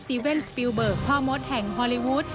เว่นสปิลเบิกพ่อมดแห่งฮอลลีวูด